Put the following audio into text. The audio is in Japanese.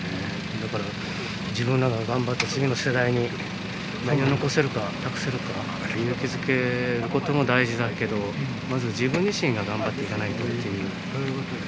だから自分らが頑張って、次の世代に何を残せるか、託せるか、勇気づけることも大事だけど、まず自分自身が頑張っていかないとっていう。